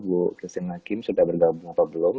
bu christine hakim sudah bergabung atau belum